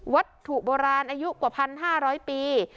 วัตถุโบราณอายุกว่า๑๕๐๐ปี